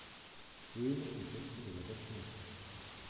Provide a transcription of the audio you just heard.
Föhn est hostile à la vaccination.